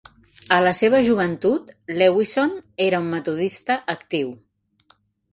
A la seva joventut, Lewisohn era un metodista actiu.